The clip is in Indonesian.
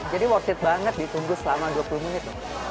jadi worth it banget ditunggu selama dua puluh menit